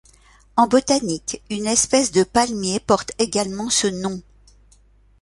En botanique, une espèce de palmiers porte également ce nom.